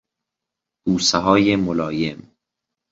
بوسههای ملایم